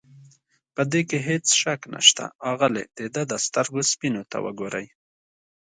په دې کې هېڅ شک نشته، اغلې د ده د سترګو سپینو ته وګورئ.